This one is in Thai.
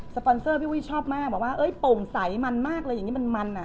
ปอนเซอร์พี่อุ้ยชอบมากบอกว่าโปร่งใสมันมากเลยอย่างนี้มันอ่ะ